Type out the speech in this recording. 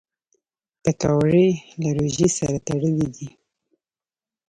پکورې له روژې سره تړلي دي